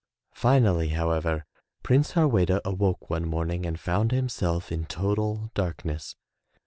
Finally, however. Prince Harweda awoke one morning and found himself in total dark ness.